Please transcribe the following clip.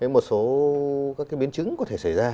một số các biến chứng có thể xảy ra